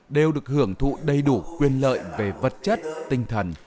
đều được hưởng thụ đầy đủ quyền lợi về vật chất tinh thần